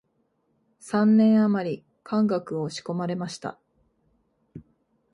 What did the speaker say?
三年あまり漢学を仕込まれました